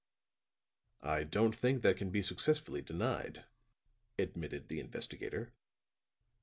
"I don't think that can be successfully denied," admitted the investigator.